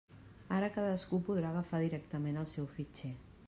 Ara cadascú podrà agafar directament el seu fitxer.